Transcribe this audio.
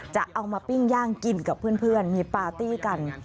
จะเอามาปิ้งย่างกินกับเพื่อนมีปาร์ตี้กัน